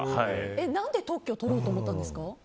何で取ろうと思ったんですか。